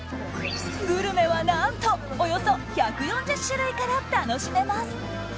グルメは何とおよそ１４０種類から楽しめます。